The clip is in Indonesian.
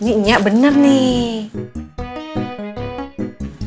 ini iya bener nih